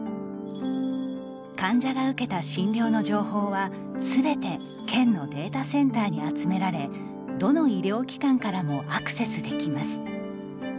患者が受けた診療の情報はすべて県のデータセンターに集められどの医療機関からもアクセスできます。